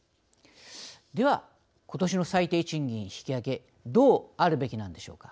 ではことしの最低賃金引き上げどうあるべきなんでしょうか。